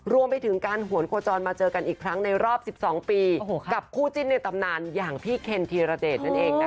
รวมไปถึงการหวนโคจรมาเจอกันอีกครั้งในรอบ๑๒ปีกับคู่จิ้นในตำนานอย่างพี่เคนธีรเดชนั่นเองนะคะ